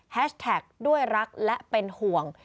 แท็กด้วยรักและเป็นห่วง